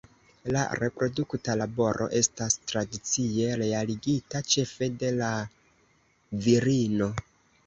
La reprodukta laboro estas tradicie realigita ĉefe de la virino.